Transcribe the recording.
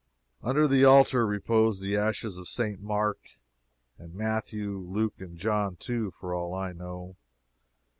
Under the altar repose the ashes of St. Mark and Matthew, Luke and John, too, for all I know.